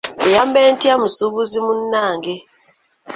Nkuyambe ntya musuubuzi munnange?